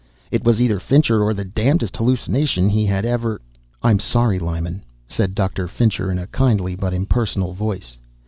It was either Fincher or the darndest hallucination he had ever ... "I'm sorry, Lyman," said Dr. Fincher in a kindly but impersonal voice.